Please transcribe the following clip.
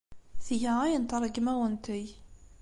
Tga ayen ay tṛeggem ad awen-t-teg.